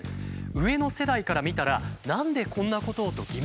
上の世代から見たら何でこんなことをと疑問に感じるであろうもの